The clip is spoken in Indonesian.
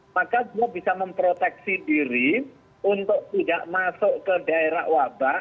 maka dia bisa memproteksi diri untuk tidak masuk ke daerah wabah